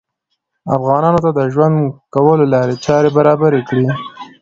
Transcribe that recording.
افغانانو ته د ژوند کولو لارې چارې برابرې کړې